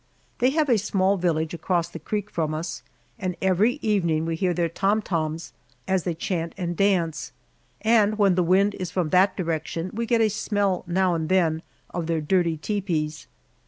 They have a small village across the creek from us, and every evening we hear their "tom toms" as they chant and dance, and when the wind is from that direction we get a smell now and then of their dirty tepees.